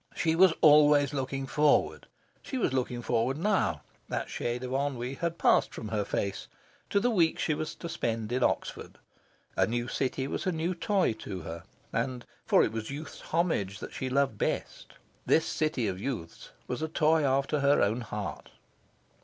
She was always looking forward. She was looking forward now that shade of ennui had passed from her face to the week she was to spend in Oxford. A new city was a new toy to her, and for it was youth's homage that she loved best this city of youths was a toy after her own heart.